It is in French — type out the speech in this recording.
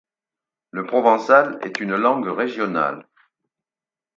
Le Provençal est une langue régionale.